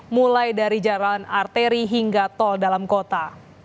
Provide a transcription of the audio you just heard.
mulai dari jalan arteri hingga tol dalam kota